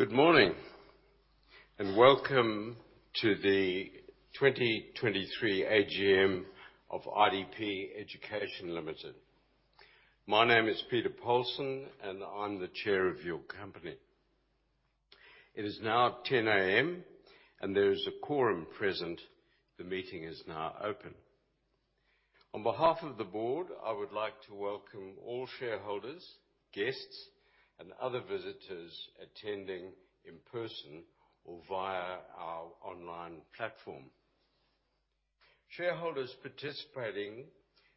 Good morning, and welcome to the 2023 AGM of IDP Education Limited. My name is Peter Polson, and I'm the chair of your company. It is now 10:00 A.M., and there is a quorum present. The meeting is now open. On behalf of the board, I would like to welcome all shareholders, guests, and other visitors attending in person or via our online platform. Shareholders participating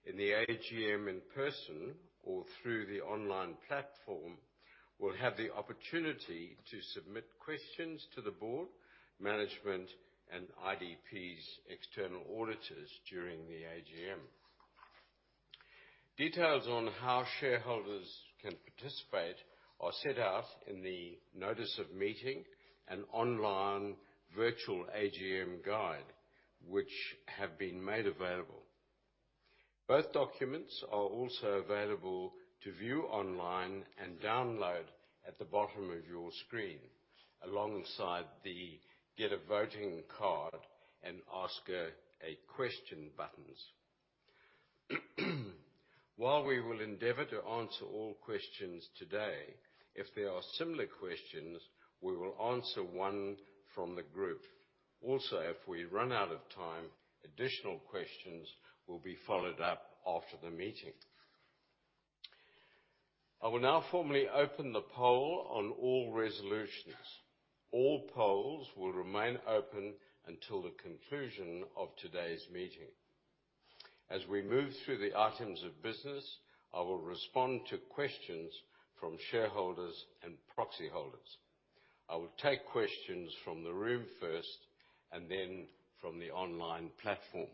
in the AGM in person or through the online platform will have the opportunity to submit questions to the board, management, and IDP's external auditors during the AGM. Details on how shareholders can participate are set out in the notice of meeting and online virtual AGM guide, which have been made available. Both documents are also available to view online and download at the bottom of your screen, alongside the Get a Voting Card and Ask a Question buttons. While we will endeavor to answer all questions today, if there are similar questions, we will answer one from the group. Also, if we run out of time, additional questions will be followed up after the meeting. I will now formally open the poll on all resolutions. All polls will remain open until the conclusion of today's meeting. As we move through the items of business, I will respond to questions from shareholders and proxy holders. I will take questions from the room first, and then from the online platform.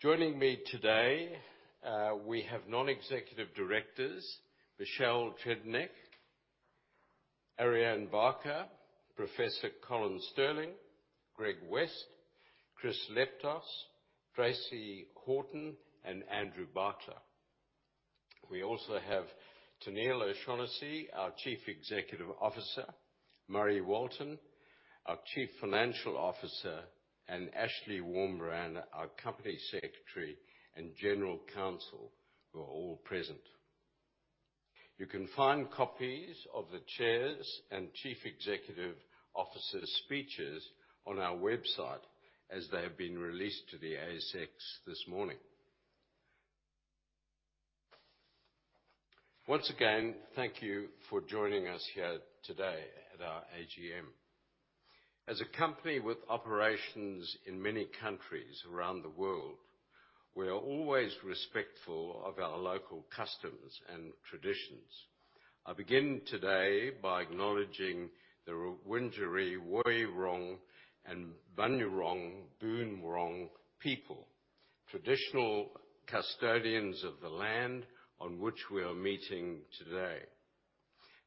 Joining me today, we have non-executive directors Michelle Tredenick, Ariane Barker, Professor Colin Stirling, Greg West, Chris Leptos, Tracey Horton, and Andrew Barkla. We also have Tennealle O’Shannessy, our Chief Executive Officer, Murray Walton, our Chief Financial Officer, and Ashley Warmbrand, our Company Secretary and General Counsel, who are all present. You can find copies of the Chair's and Chief Executive Officer's speeches on our website as they have been released to the ASX this morning. Once again, thank you for joining us here today at our AGM. As a company with operations in many countries around the world, we are always respectful of our local customs and traditions. I begin today by acknowledging the Wurundjeri Woi-wurrung and Bunurong Boonwurrung people, traditional custodians of the land on which we are meeting today,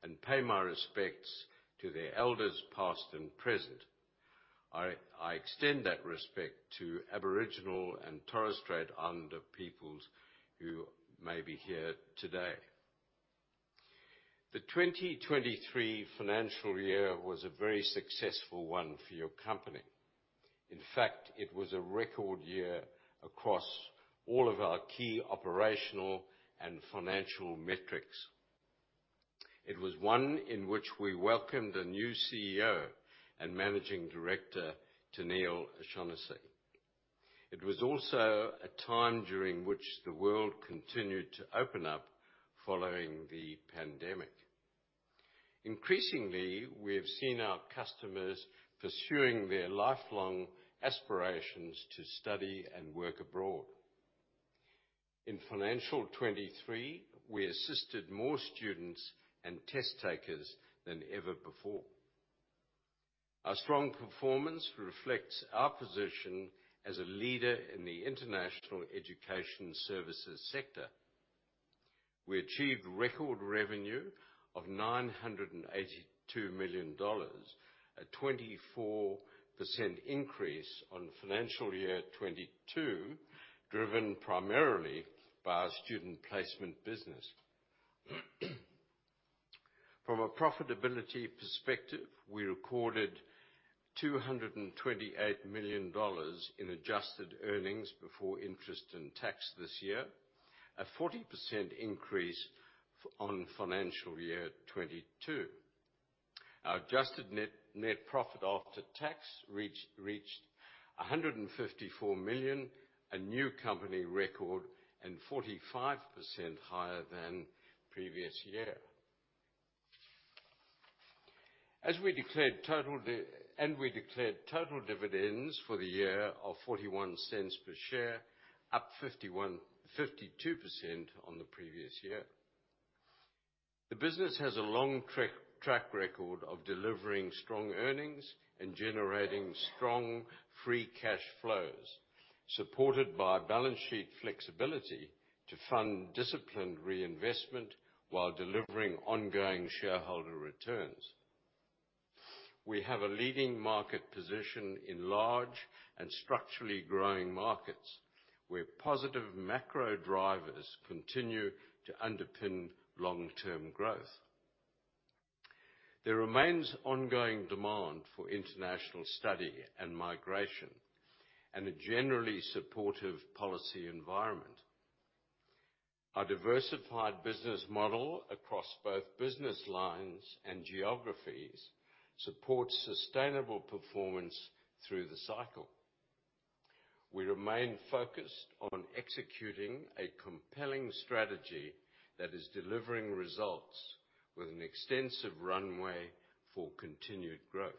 and pay my respects to the elders, past and present. I extend that respect to Aboriginal and Torres Strait Islander peoples who may be here today. The 2023 financial year was a very successful one for your company. In fact, it was a record year across all of our key operational and financial metrics. It was one in which we welcomed a new CEO and Managing Director, Tennealle O'Shannessy. It was also a time during which the world continued to open up following the pandemic. Increasingly, we have seen our customers pursuing their lifelong aspirations to study and work abroad. In financial 2023, we assisted more students and test takers than ever before. Our strong performance reflects our position as a leader in the international education services sector. We achieved record revenue of 982 million dollars, a 24% increase on financial year 2022, driven primarily by our student placement business. From a profitability perspective, we recorded 228 million dollars in adjusted earnings before interest and tax this year, a 40% increase on financial year 2022. Our adjusted net profit after tax reached 154 million, a new company record, and 45% higher than previous year. We declared total dividends for the year of 0.41 per share, up 52% on the previous year. The business has a long track record of delivering strong earnings and generating strong free cash flow, supported by balance sheet flexibility to fund disciplined reinvestment while delivering ongoing shareholder returns. We have a leading market position in large and structurally growing markets, where positive macro drivers continue to underpin long-term growth. There remains ongoing demand for international study and migration, and a generally supportive policy environment. Our diversified business model across both business lines and geographies supports sustainable performance through the cycle. We remain focused on executing a compelling strategy that is delivering results with an extensive runway for continued growth.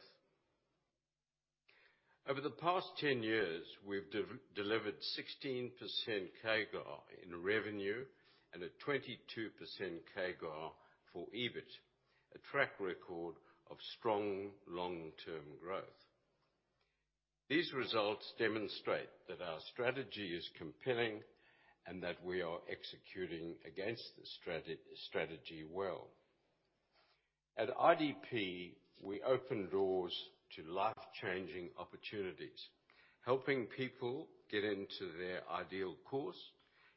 Over the past 10 years, we've delivered 16% CAGR in revenue and a 22% CAGR for EBIT, a track record of strong long-term growth. These results demonstrate that our strategy is compelling, and that we are executing against the strategy well. At IDP, we open doors to life-changing opportunities, helping people get into their ideal course,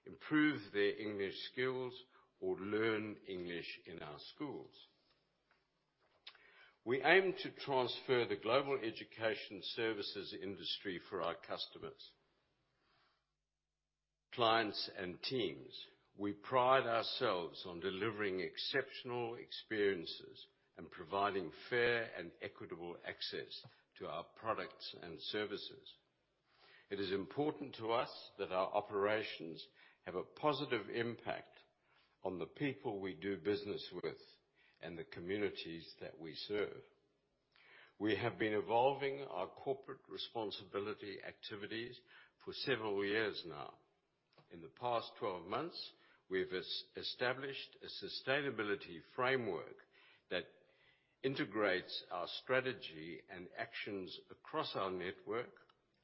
improve their English skills, or learn English in our schools. We aim to transfer the global education services industry for our customers, clients, and teams. We pride ourselves on delivering exceptional experiences and providing fair and equitable access to our products and services. It is important to us that our operations have a positive impact on the people we do business with and the communities that we serve. We have been evolving our corporate responsibility activities for several years now. In the past 12 months, we've established a sustainability framework that integrates our strategy and actions across our network,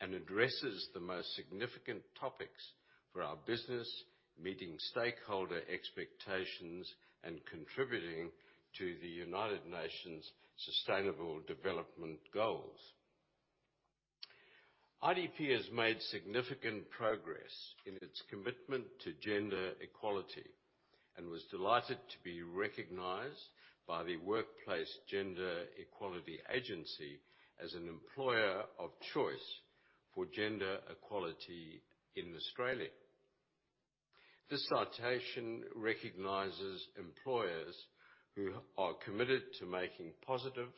and addresses the most significant topics for our busine ss, meeting stakeholder expectations, and contributing to the United Nations' Sustainable Development Goals. IDP has made significant progress in its commitment to gender equality, and was delighted to be recognized by the Workplace Gender Equality Agency as an employer of choice for gender equality in Australia. This citation recognizes employers who are committed to making positive,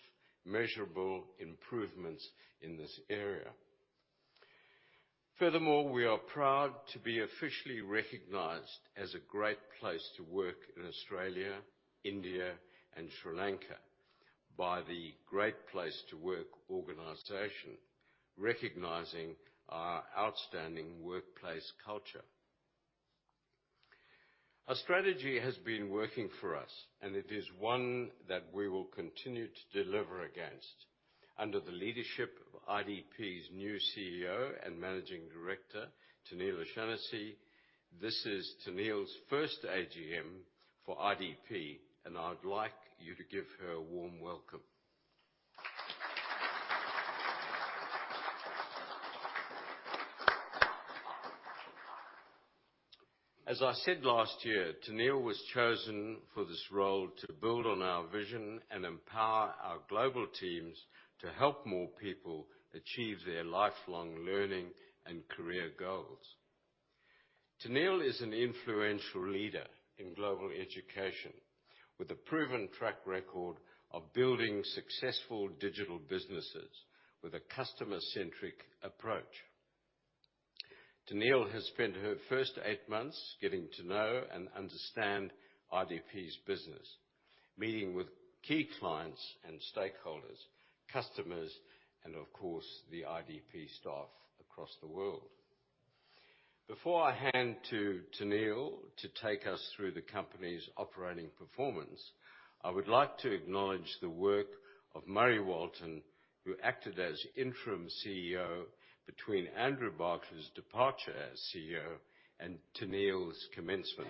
measurable improvements in this area. Furthermore, we are proud to be officially recognized as a great place to work in Australia, India, and Sri Lanka by the Great Place to Work organization, recognizing our outstanding workplace culture. Our strategy has been working for us, and it is one that we will continue to deliver against under the leadership of IDP's new CEO and Managing Director, Tennealle O'Shannessy. This is Tennealle's first AGM for IDP, and I'd like you to give her a warm welcome. As I said last year, Tennealle was chosen for this role to build on our vision and empower our global teams to help more people achieve their lifelong learning and career goals. Tennealle is an influential leader in global education, with a proven track record of building successful digital businesses with a customer-centric approach. Tennealle has spent her first eight months getting to know and understand IDP's business, meeting with key clients and stakeholders, customers, and of course, the IDP staff across the world. Before I hand to Tennealle to take us through the company's operating performance, I would like to acknowledge the work of Murray Walton, who acted as Interim CEO between Andrew Barkla's departure as CEO and Tennealle's commencement.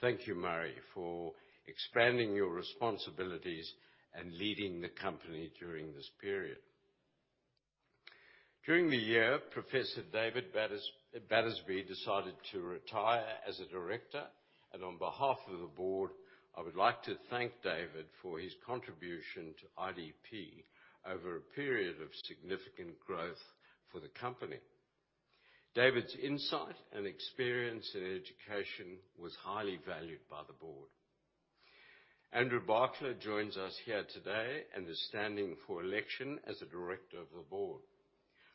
Thank you, Murray, for expanding your responsibilities and leading the company during this period. During the year, Professor David Battersby decided to retire as a director, and on behalf of the board, I would like to thank David for his contribution to IDP over a period of significant growth for the company. David's insight and experience in education was highly valued by the board. Andrew Barkla joins us here today and is standing for election as a director of the board.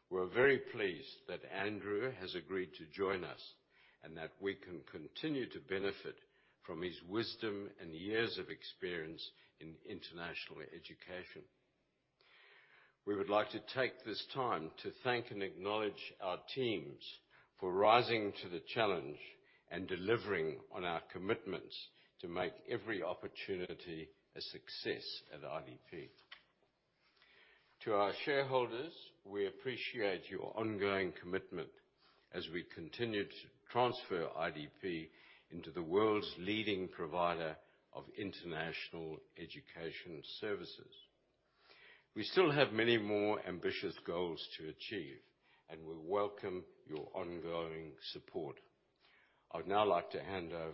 We're very pleased that Andrew has agreed to join us, and that we can continue to benefit from his wisdom and years of experience in international education. We would like to take this time to thank and acknowledge our teams for rising to the challenge and delivering on our commitments to make every opportunity a success at IDP. To our shareholders, we appreciate your ongoing commitment as we continue to transfer IDP into the world's leading provider of international education services. We still have many more ambitious goals to achieve, and we welcome your ongoing support. I'd now like to hand over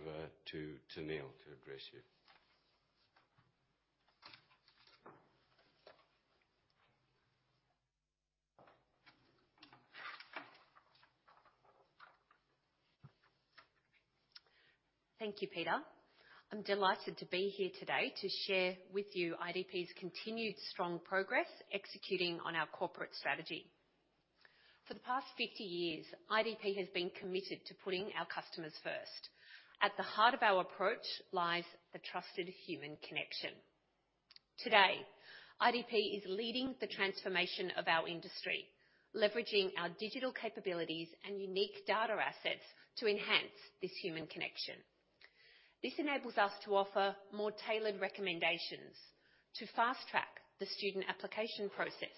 to Tennealle to address you. Thank you, Peter. I'm delighted to be here today to shar e with you IDP's continued strong progress executing on our corporate strategy. For the past 50 years, IDP has been committed to putting our customers first. At the heart of our approach lies the trusted human connection. Today, IDP is leading the transformation of our industry, leveraging our digital capabilities and unique data assets to enhance this human connection. This enables us to offer more tailored recommendations, to fast-track the student application process,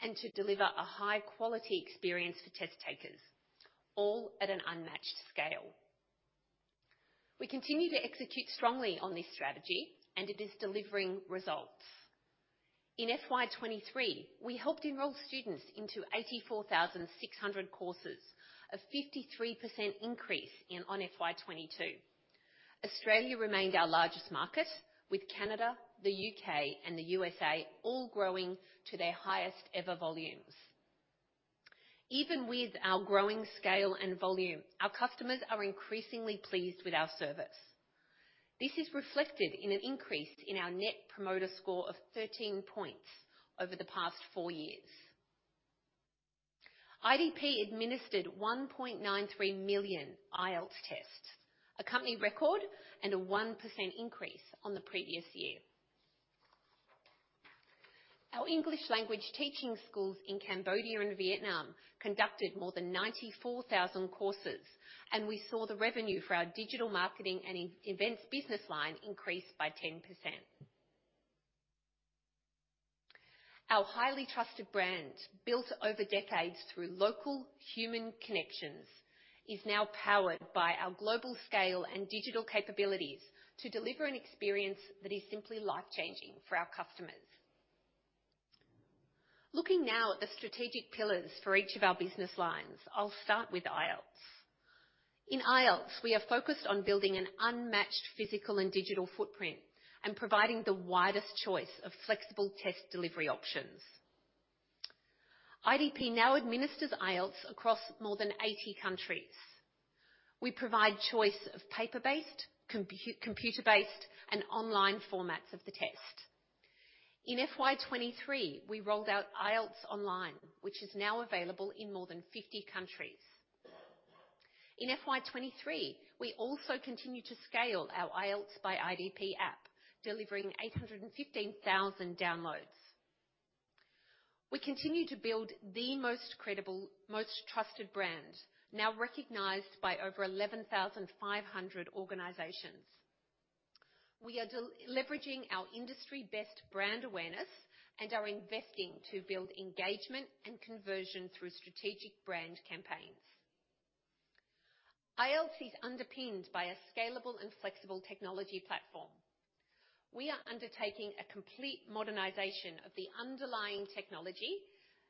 and to deliver a high-quality experience for test takers, all at an unmatched scale. We continue to execute strongly on this strategy, and it is delivering results. In FY 2023, we helped enroll students into 84,600 courses, a 53% increase on FY 2022. Australia remained our largest market, with Canada, the U.K., and the U.S.A. all growing to their highest ever volumes. Even with our growing scale and volume, our customers are increasingly pleased with our service. This is reflected in an increase in our Net Promoter Score of 13 points over the past four years. IDP administered 1.93 million IELTS tests, a company record and a 1% increase on the previous year. Our English Language Teaching schools in Cambodia and Vietnam conducted more than 94,000 courses, and we saw the revenue for our Digital Marketing and Events business line increase by 10%. Our highly trusted brand, built over decades through local human connections, is now powered by our global scale and digital capabilities to deliver an experience that is simply life-changing for our customers. Looking now at the strategic pillars for each of our business lines, I'll start with IELTS. In IELTS, we are focused on building an unmatched physical and digital footprint and providing the widest choice of flexible test delivery options. IDP now administers IELTS across more than 80 countries. We provide choice of paper-based, computer-based, and online formats of the test. In FY 2023, we rolled out IELTS Online, which is now available in more than 50 countries. In FY 2023, we also continued to scale our IELTS by IDP app, delivering 815,000 downloads. We continue to build the most credible, most trusted brand, now recognized by over 11,500 organizations. We are leveraging our industry-best brand awareness and are investing to build engagement and conversion through strategic brand campaigns. IELTS is underpinned by a scalable and flexible technology platform. We are undertaking a complete modernization of the underlying technology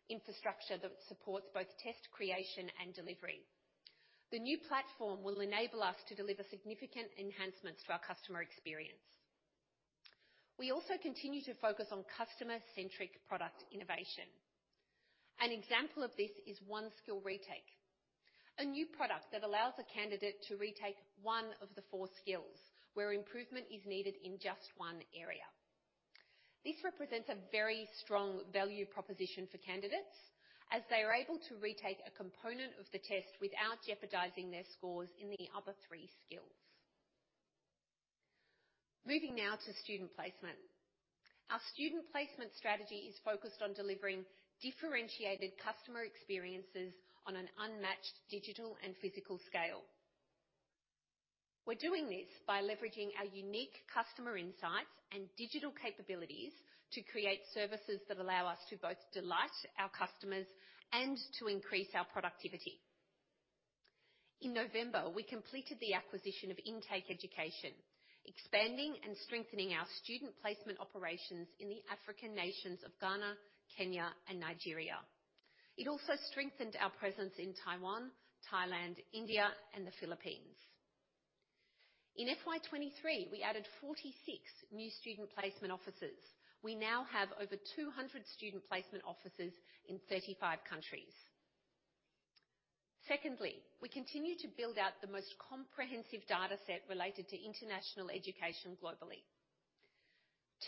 infrastructure that supports both test creation and delivery. The new platform will enable us to deliver significant enhancements to our customer experience. We also continue to focus on customer-centric product innovation. An example of this is One Skill Retake, a new product that allows a candidate to retake one of the four skills, where improvement is needed in just one area. This represents a very strong value proposition for candidates, as they are able to retake a component of the test without jeopardizing their scores in the other three skills. Moving now to student placement. Our student placement strategy is focused on delivering differentiated customer experiences on an unmatched digital and physical scale. We're doing this by leveraging our unique customer insights and digital capabilities to create services that allow us to both delight our customers and to increase our productivity. In November, we completed the acquisition of Intake Education, expanding and strengthening our student placement operations in the African nations of Ghana, Kenya, and Nigeria. It also strengthened our presence in Taiwan, Thailand, India, and the Philippines. In FY23, we added 46 new student placement offices. We now have over 200 student placement offices in 35 countries. Secondly, we continue to build out the most comprehensive data set related to international education globally.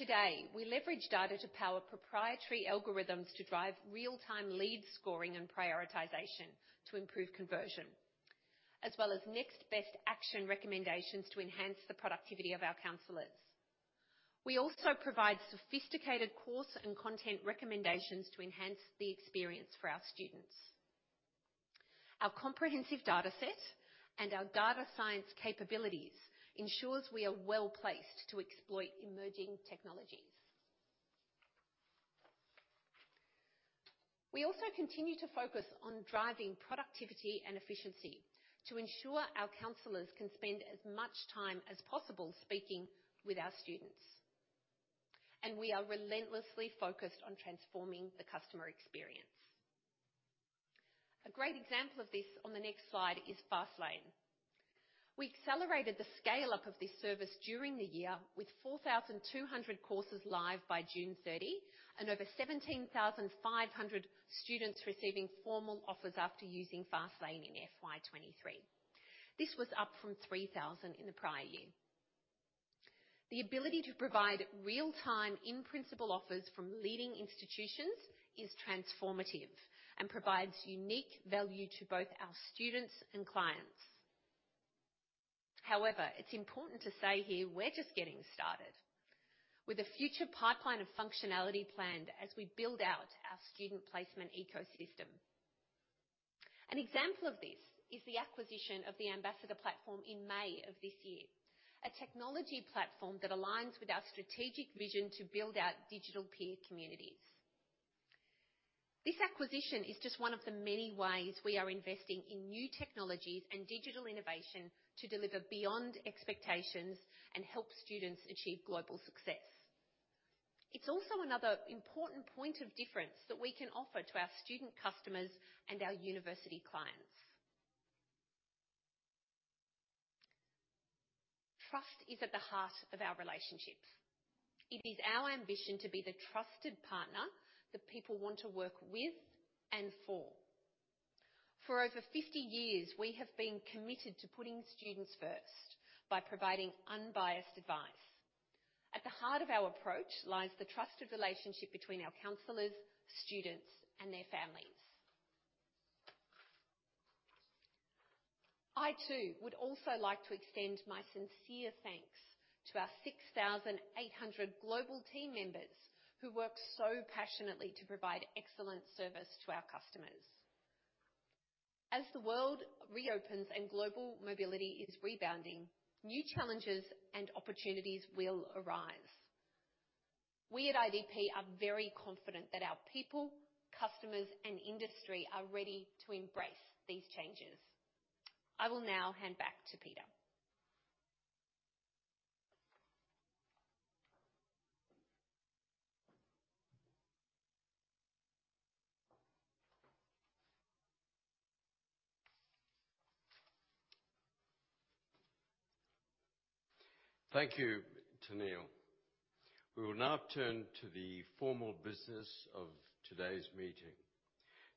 Today, we leverage data to power proprietary algorithms to drive real-time lead scoring and prioritization to improve conversion, as well as next-best-action recommendations to enhance the productivity of our counselors. We also provide sophisticated course and content recommendations to enhance the experience for our students. Our comprehensive dataset and our data science capabilities ensures we are well-placed to exploit emerging technologies. We also continue to focus on driving productivity and efficiency to ensure our counselors can spend as much time as possible speaking with our students, and we are relentlessly focused on transforming the customer experience. A great example of this on the next slide is FastLane. We accelerated the scale-up of this service during the year, with 4,200 courses live by June 30, and over 17,500 students receiving formal offers after using FastLane in FY 2023. This was up from 3,000 in the prior year. The ability to provide real-time, in-principle offers from leading institutions is transformative and provides unique value to both our students and clients. However, it's important to say here, we're just getting started. With a future pipeline of functionality planned as we build out our student placement ecosystem. An example of this is the acquisition of The Ambassador Platform in May of this year, a technology platform that aligns with our strategic vision to build out digital peer communities. This acquisition is just one of the many ways we are investing in new technologies and digital innovation to deliver beyond expectations and help students achieve global success. It's also another important point of difference that we can offer to our student customers and our university clients. Trust is at the heart of our relationships. It is our ambition to be the trusted partner that people want to work with and for. For over 50 years, we have been committed to putting students first by providing unbiased advice. At the heart of our approach lies the trusted relationship between our counselors, students, and their families. I, too, would also like to extend my sincere thanks to our 6,800 global team members, who work so passionately to provide excellent service to our customers. As the world reopens and global mobility is rebounding, new challenges and opportunities will arise. We at IDP are very confident that our people, customers, and industry are ready to embrace these changes. I will now hand back to Peter. Thank you, Tennealle. We will now turn to the formal business of today's meeting.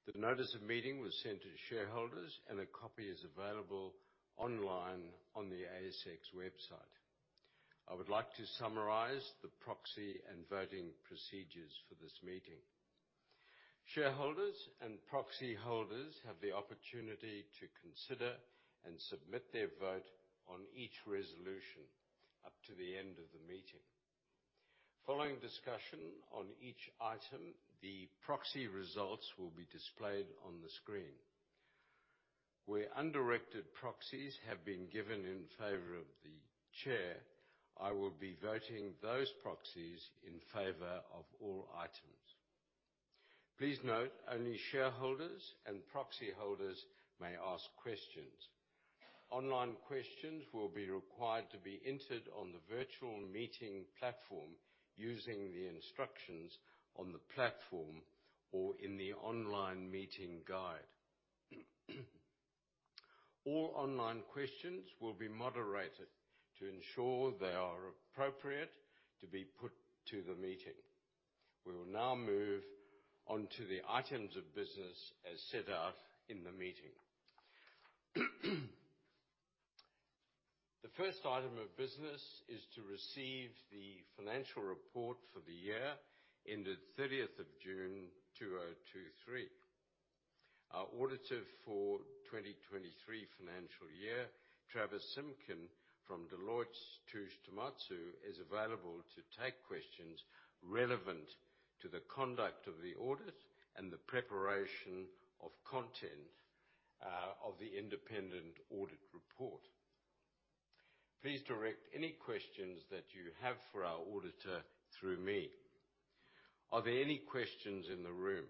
The notice of meeting was sent to shareholders, and a copy is available online on the ASX website. I would like to summarize the proxy and voting procedures for this meeting. Shareholders and proxy holders have the opportunity to consider and submit their vote on each resolution up to the end of the meeting. Following discussion on each item, the proxy results will be displayed on the screen. Where undirected proxies have been given in favor of the Chair, I will be voting those proxies in favor of all items. Please note, only shareholders and proxy holders may ask questions. Online questions will be required to be entered on the virtual meeting platform using the instructions on the platform or in the online meeting guide. All online questions will be moderated to ensure they are appropriate to be put to the meeting. We will now move on to the items of business as set out in the meeting. The first item of business is to receive the financial report for the year ended 30th of June, 2023. Our auditor for 2023 financial year, Travis Simkin, from Deloitte Touche Tohmatsu, is available to take questions relevant to the conduct of the audit and the preparation of content of the independent audit report. Please direct any questions that you have for our auditor through me. Are there any questions in the room?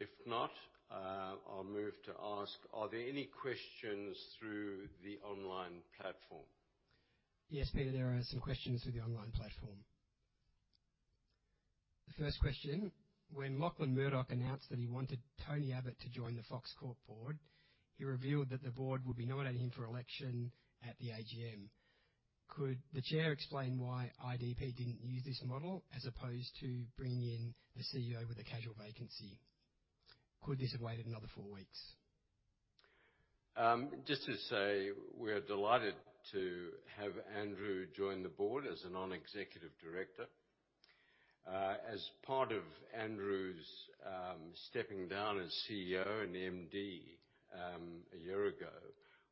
If not, I'll move to ask: Are there any questions through the online platform? Yes, Peter, there are some questions through the online platform. The first question: When Lachlan Murdoch announced that he wanted Tony Abbott to join the Fox Corp board, he revealed that the board would be nominating him for election at the AGM. Could the Chair explain why IDP didn't use this model as opposed to bringing in the CEO with a casual vacancy? Could this have waited another four weeks? Just to say, we are delighted to have Andrew join the board as a non-executive director. As part of Andrew's stepping down as CEO and MD, a year ago,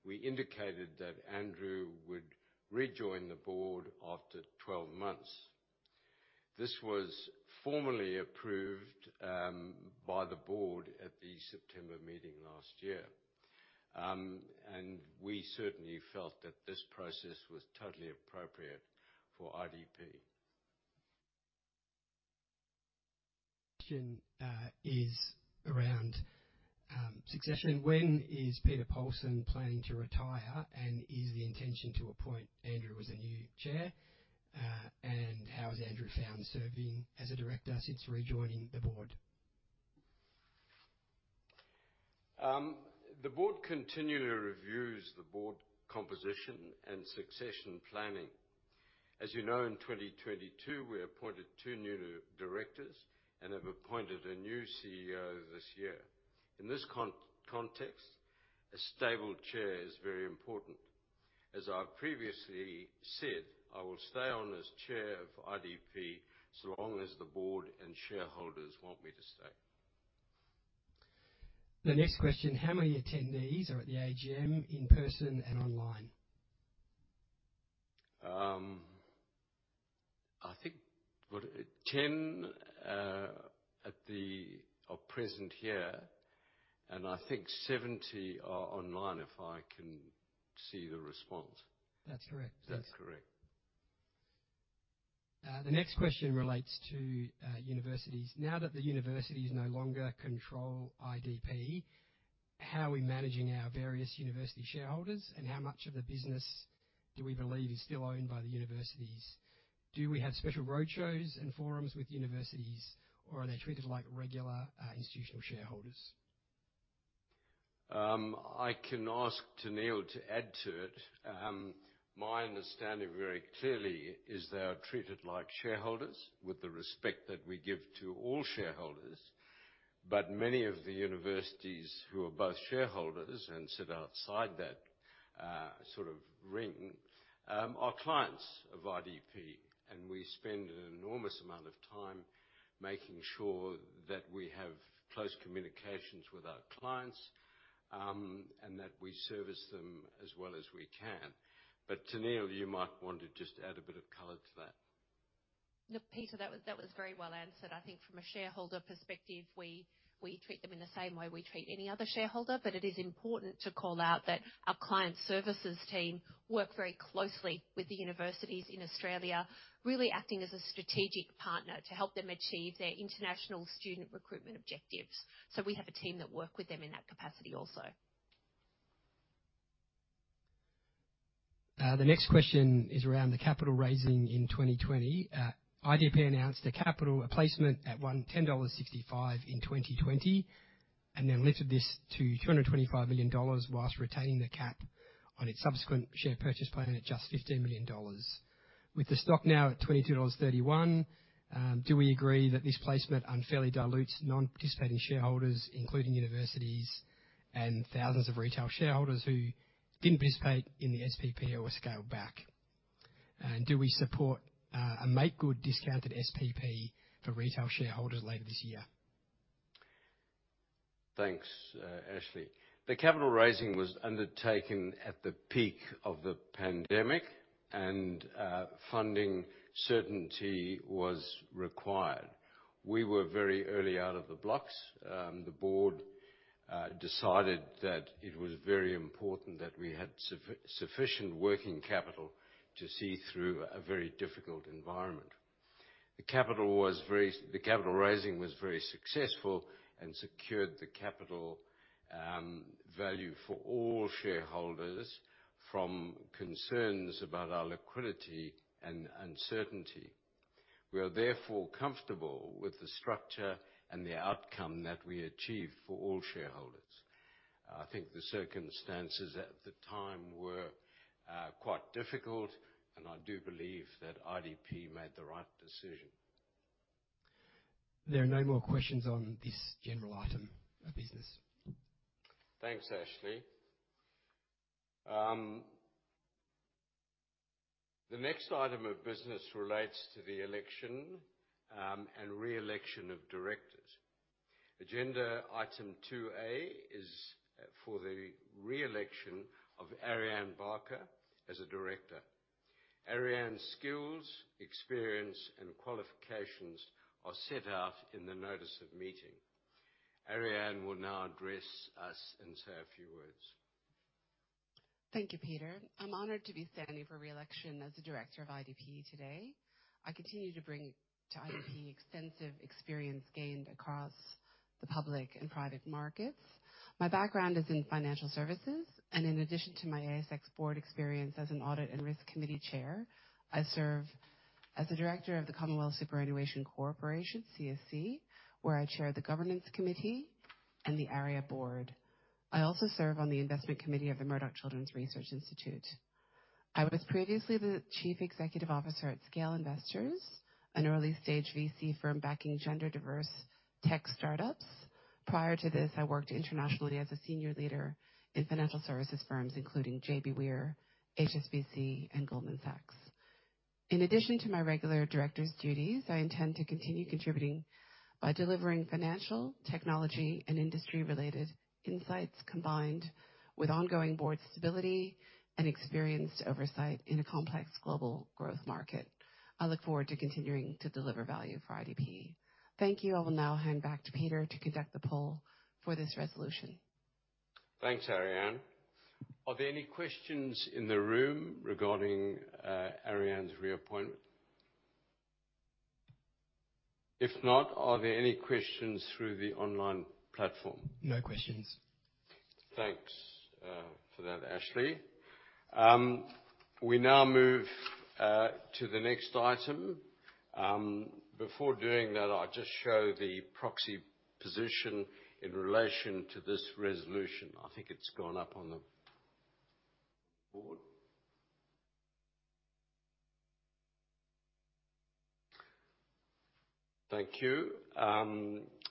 we indicated that Andrew would rejoin the board after 12 months. This was formally approved by the board at the September meeting last year. And we certainly felt that this process was totally appropriate for IDP. Question is around succession. When is Peter Polson planning to retire? And is the intention to appoint Andrew as the new chair? And how has Andrew found serving as a director since rejoining the board? The board continually reviews the board composition and succession planning. As you know, in 2022, we appointed two new directors and have appointed a new CEO this year. In this context, a stable chair is very important. As I've previously said, I will stay on as chair of IDP, so long as the board and shareholders want me to stay. The next question: How many attendees are at the AGM in person and online? I think 10 are present here, and I think 70 are online, if I can see the response. That's correct. That's correct. The next question relates to universities. Now that the universities no longer control IDP, how are we managing our various university shareholders? And how much of the business do we believe is still owned by the universities? Do we have special roadshows and forums with universities, or are they treated like regular institutional shareholders? I can ask Tennealle to add to it. My understanding, very clearly, is they are treated like shareholders with the respect that we give to all shareholders. But many of the universities who are both shareholders and sit outside that, sort of ring, are clients of IDP, and we spend an enormous amount of time making sure that we have close communications with our clients, and that we service them as well as we can. But, Tennealle, you might want to just add a bit of color to that. Look, Peter, that was, that was very well answered. I think from a shareholder perspective, we, we treat them in the same way we treat any other shareholder. But it is important to call out that our client services team work very closely with the universities in Australia, really acting as a strategic partner to help them achieve their international student recruitment objectives. So we have a team that work with them in that capacity also. The next question is around the capital raising in 2020. IDP announced a capital placement at 110.65 dollars in 2020, and then lifted this to 225 million dollars whilst retaining the cap on its subsequent share purchase plan at just 15 million dollars. With the stock now at 22.31 dollars, do we agree that this placement unfairly dilutes non-participating shareholders, including universities and thousands of retail shareholders who didn't participate in the SPP or were scaled back? And do we support a make good discounted SPP for retail shareholders later this year? Thanks, Ashley. The capital raising was undertaken at the peak of the pandemic, and funding certainty was required. We were very early out of the blocks. The board decided that it was very important that we had sufficient working capital to see through a very difficult environment. The capital raising was very successful and secured the capital value for all shareholders from concerns about our liquidity and uncertainty. We are therefore comfortable with the structure and the outcome that we achieved for all shareholders. I think the circumstances at the time were quite difficult, and I do believe that IDP made the right dec ision. There are no more questions on this general item of business. Thanks, Ashley. The next item of business relates to the election and re-election of directors. Agenda item 2(a) is for the re-election of Ariane Barker as a director. Ariane's skills, experience, and qualifications are set out in the notice of meeting. Ariane will now address us and say a few words. Thank you, Peter. I'm honored to be standing for re-election as a director of IDP today. I continue to bring to IDP extensive experience gained across the public and private markets. My background is in financial services, and in addition to my ASX board experience as an audit and risk committee chair, I serve as a director of the Commonwealth Superannuation Corporation, CSC, where I chair the governance committee and the ARIA board. I also serve on the investment committee of the Murdoch Children's Research Institute. I was previously the Chief Executive Officer at Scale Investors, an early-stage VC firm backing gender-diverse tech startups. Prior to this, I worked internationally as a senior leader in financial services firms, including JBWere, HSBC, and Goldman Sachs. In addition to my regular director's duties, I intend to continue contributing by delivering financial, technology, and industry-related insights, combined with ongoing board stability and experienced oversight in a complex global growth market. I look forward to continuing to deliver value for IDP. Thank you. I will now hand back to Peter to conduct the poll for this resolution. Thanks, Ariane. Are there any questions in the room regarding Ariane's reappointment? If not, are there any questions through the online platform? No questions. Thanks for that, Ashley. We now move to the next item. Before doing that, I'll just show the proxy position in relation to this resolution. I think it's gone up on the board. Thank you.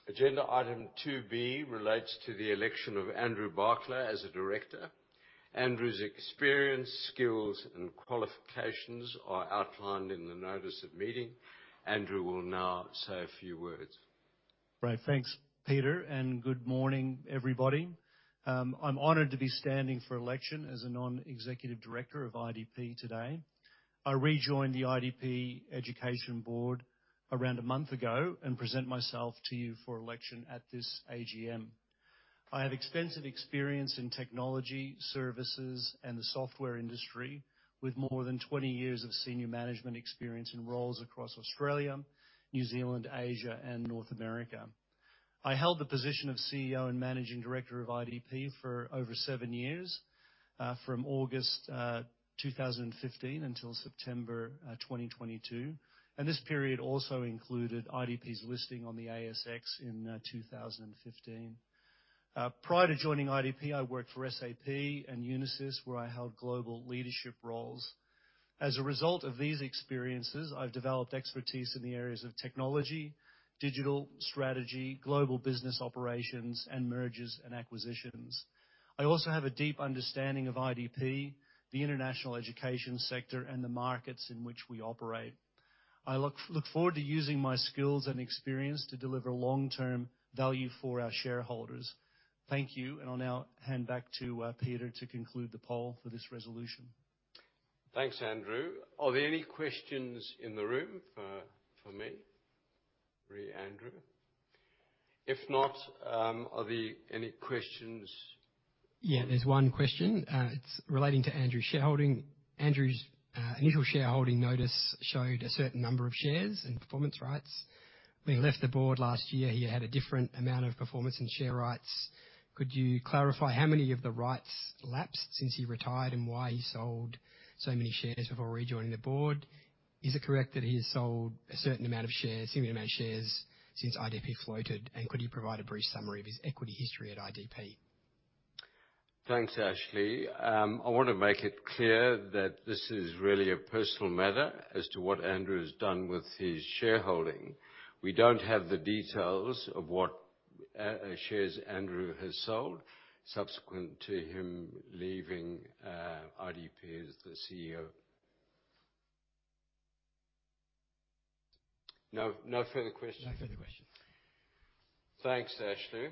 Agenda item 2(b) relates to the election of Andrew Barkla as a director. Andrew's experience, skills, and qualifications are outlined in the notice of meeting. Andrew will now say a few words. Right. Thanks, Peter, and good morning, everybody. I'm honored to be standing for election as a Non-Executive Director of IDP today. I rejoined the IDP Education Board around a month ago and present myself to you for election at this AGM. I have extensive experience in technology, services, and the software industry, with more than 20 years of senior management experience in roles across Australia, New Zealand, Asia, and North America. I held the position of CEO and Managing Director of IDP for over 7 years, from August 2015 until September 2022, and this period also included IDP's listing on the ASX in 2015. Prior to joining IDP, I worked for SAP and Unisys, where I held global leadership roles. As a result of these experiences, I've developed expertise in the areas of technology, digital strategy, global business operations, and mergers and acquisitions. I also have a deep understanding of IDP, the international education sector, and the markets in which we operate. I look forward to using my skills and experience to deliver long-term value for our shareholders. Thank you, and I'll now hand back to Peter to conclude the poll for this resolution. Thanks, Andrew. Are there any questions in the room for me? Re Andrew. If not, are there any questions- Yeah, there's one question. It's relating to Andrew's shareholding. Andrew's initial shareholding notice showed a certain number of shares and performance rights. When he left the board last year, he had a different amount of performance and share rights. Could you clarify how many of the rights lapsed since he retired and why he sold so many shares before rejoining the board? Is it correct that he's sold a certain amount of shares, similar amount of shares, since IDP floated, and could you provide a brief summary of his equity history at IDP? Thanks, Ashley. I want to make it clear that this is really a personal matter as to what Andrew has done with his shareholding. We don't have the details of what shares Andrew has sold subsequent to him leaving IDP as the CEO. No, no further questions? No further questions. Thanks, Ashley.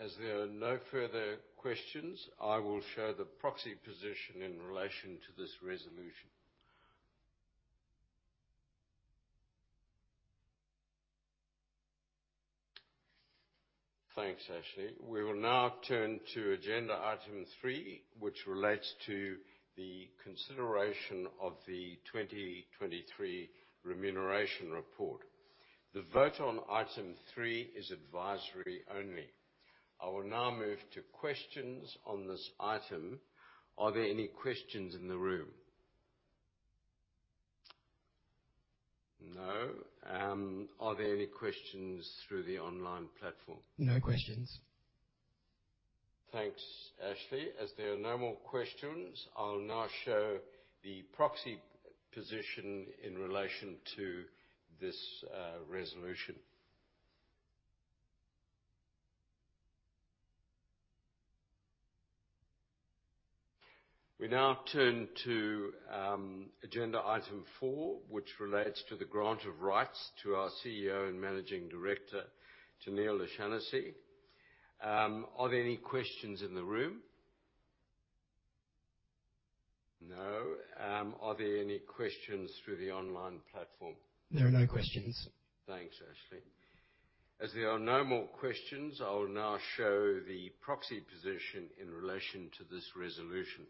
As there are no further questions, I will show the proxy position in relation to this resolution. Thanks, Ashley. We will now turn to agenda item 3, which relates to the consideration of the 2023 remuneration report. The vote on item 3 is advisory only. I will now move to questions on this item. Are there any questions in the room? No. Are there any questions through the online platform? No questions. Thanks, Ashley. As there are no more questions, I'll now show the proxy position in relation to this resolution. We now turn to agenda item four, which relates to the grant of rights to our CEO and Managing Director, Tennealle O'Shannessy. Are there any questions in the room? No. Are there any questions through the online platform? There are no questions. Thanks, Ashley. As there are no more questions, I will now show the proxy position in relation to this resolution.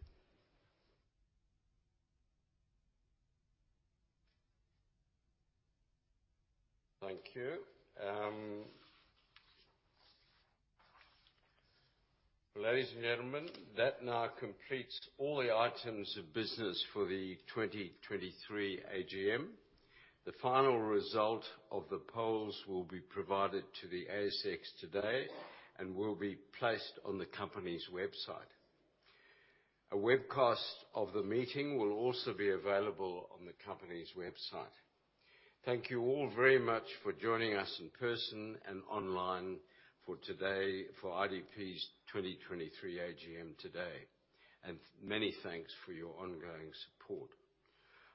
Thank you. Ladies and gentlemen, that now completes all the items of business for the 2023 AGM. The final result of the polls will be provided to the ASX today and will be placed on the company's website. A webcast of the meeting will also be available on the company's website. Thank you all very much for joining us in person and online for today, for IDP's 2023 AGM today, and many thanks for your ongoing support.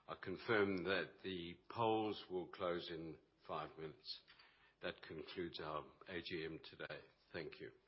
I confirm that the polls will close in 5 minutes. That concludes our AGM today. Thank you.